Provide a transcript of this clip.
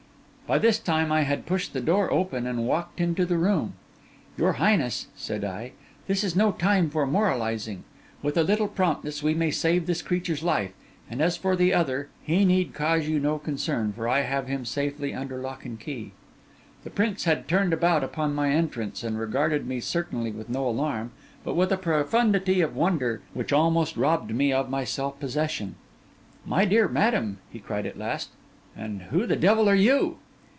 By this time I had pushed the door open and walked into the room. 'Your highness,' said I, 'this is no time for moralising; with a little promptness we may save this creature's life; and as for the other, he need cause you no concern, for I have him safely under lock and key.' The prince had turned about upon my entrance, and regarded me certainly with no alarm, but with a profundity of wonder which almost robbed me of my self possession. 'My dear madam,' he cried at last, 'and who the devil are you?